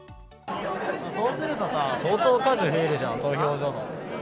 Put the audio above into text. そうするとさ、相当数増えるじゃん、投票所。